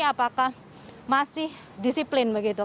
apakah masih disiplin begitu